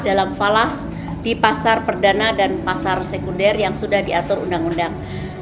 dalam falas di pasar perdana dan pasar sekunder yang sudah diatur undang undang